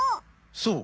そう。